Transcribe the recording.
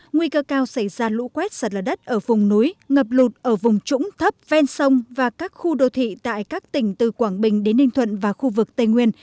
nguy cơ cao xảy ra lũ quét sạt lở đất ở vùng núi ngập lụt ở vùng trũng thấp ven sông và các khu đô thị tại các tỉnh từ quảng bình đến ninh thuận và khu vực tây nguyên